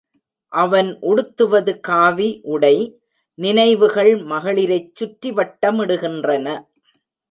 அவன் உடுத்துவது காவி உடை, நினைவுகள் மகளிரைச் சுற்றி வட்டமிடுகின்றன.